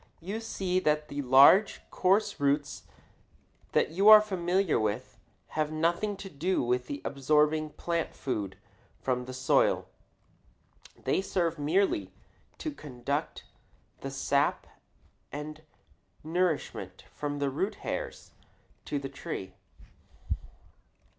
You see that the large, coarse roots that you are familiar with have nothing to do with absorbing plant food from the soil. They serve merely to conduct the sap and nourishment from the root hairs to the tree.